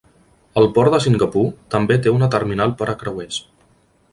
El port de Singapur també té una terminal per a creuers.